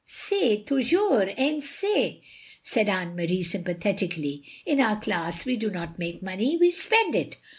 C est toujours ainsi, " said Anne Marie, sympathetically. " In our class we do not make money — ^we spend it.